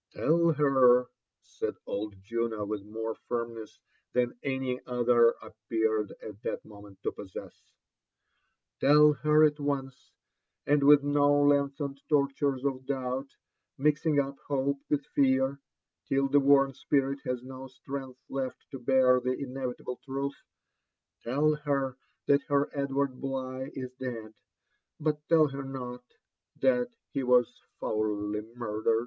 "Tell her," said old Juno, withmorefirmnessthananyotherappeared at that moment to possess, —*' tell her at once, and with no lengthened tortures of doubt, mixing up hope with fear till the worn spirit has no strength left to bear the inevitable truth — tell her that her Edward Bligh is dead ; but tell her not that he was foully murdered."